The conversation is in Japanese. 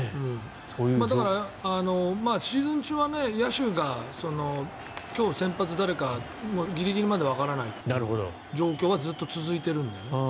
だから、シーズン中は野手が今日、先発誰かギリギリまでわからないっていう状況はずっと続いているんだよね。